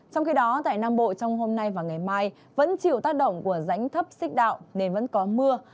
trong khi đó tại nam bộ trong hôm nay và ngày mai vẫn chịu tác động của rãnh thấp xích đạo nên vẫn có mưa